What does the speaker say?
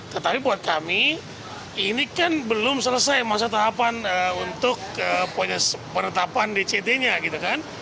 tetapi buat kami ini kan belum selesai masa tahapan untuk penetapan dct nya gitu kan